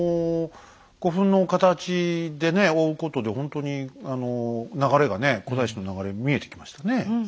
古墳の形でね追うことでほんとに流れがね古代史の流れ見えてきましたね。